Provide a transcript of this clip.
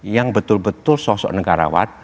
yang betul betul sosok negarawan